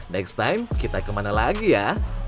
next time kita kemana lagi ya